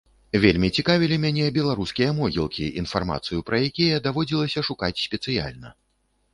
Вельмі цікавілі мяне беларускія могілкі, інфармацыю пра якія даводзілася шукаць спецыяльна.